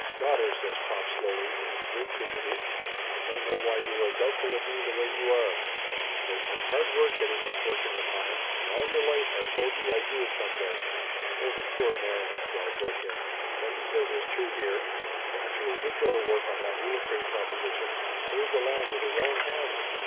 "Daughter," says pop slowly and with great dignity, "I don't know why you are doubtful of me the way you are ! It has been hard work getting this fortune of mine, and all your life I've told ye I'd do it some day !" "Oh, the poor man!" Adele broke in. "What he says is true, dear. He actually did go to work on that real estate proposition and cleared the land with his own hands.